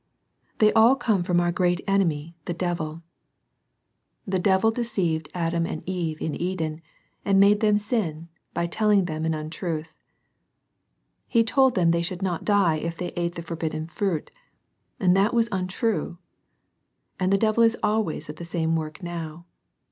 They all come from our great enemy, the devil. The devil deceived Adam and Eve in Eden,* and made them sin, by telling them an untruth. He told them they should not die if they ate the for bidden fruit, and that was untrue. And the devil is always at the same work now.